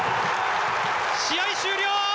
試合終了！